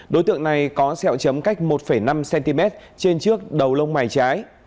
đối tượng này có xeo chấm cách một năm cm trên trước đầu lông mày trái